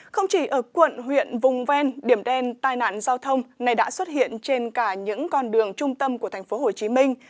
không chỉ ở quận huyện vùng ven điểm đen tai nạn giao thông này đã xuất hiện trên cả những con đường trung tâm của tp hcm